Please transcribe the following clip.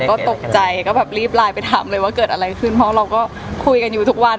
ก็ตกใจก็แบบรีบไลน์ไปถามเลยว่าเกิดอะไรขึ้นเพราะเราก็คุยกันอยู่ทุกวัน